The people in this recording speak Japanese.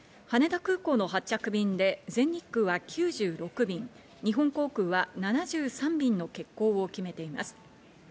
羽田空港の発着便で全日空は９６便、日本航空は７３便の欠航を決めています。